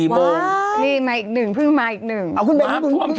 ก็ออกตั้งแต่๔โมง